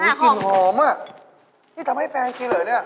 มีกลิ่นหอมอ่ะที่ทำให้แฟนกินเหรอเนี่ย